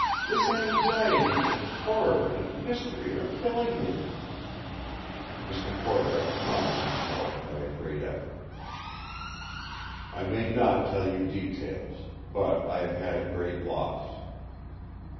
This anxiety, and horror, and mystery are killing me!" Mr. Corbeck calmed himself by a great effort. "I may not tell you details; but I have had a great loss.